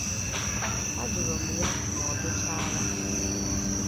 a jụrụ m ya ma ọ jụchaala